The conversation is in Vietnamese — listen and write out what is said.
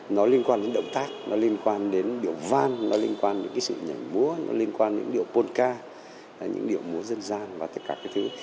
nó liên quan đến động tác nó liên quan đến điệu van nó liên quan đến cái sự nhảy múa nó liên quan những điệu polka những điệu múa dân gian và tất cả cái thứ